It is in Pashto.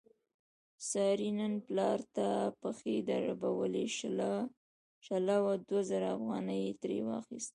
سارې نن پلار ته پښې دربولې، شله وه دوه زره افغانۍ یې ترې واخستلې.